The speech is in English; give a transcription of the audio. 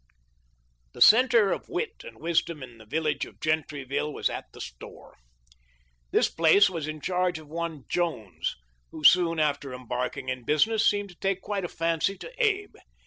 The centre of wit and wisdom in the village of Gentryville was at the store. This place was in charge of one Jones, who soon after embarking in business seemed to take quite a fancy to Abe.